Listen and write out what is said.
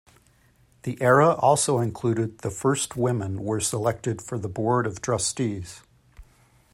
The era also included the first women were selected for the Board of Trustees.